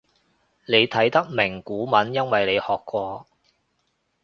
你睇得明古文因為你學過